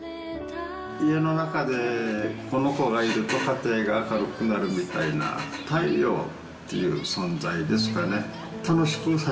家の中でこの子がいると家庭が明るくなるみたいな、太陽っていう存在ですかね。